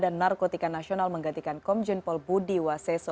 dan narkotika nasional menggantikan komjun pol budiwaseso